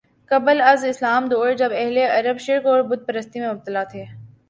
قبل از اسلام دور جب اہل عرب شرک اور بت پرستی میں مبتلا تھے